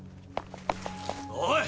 おい！